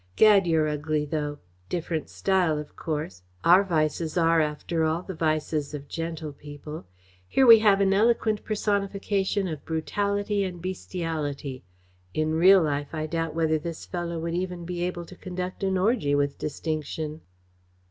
"Gad, you're ugly, though! Different style, of course. Our vices are, after all, the vices of gentle people. Here we have an eloquent personification of brutality and bestiality. In real life I doubt whether this fellow would even be able to conduct an orgy with distinction."